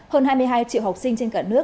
hơn hai mươi hai triệu học sinh trên cả nước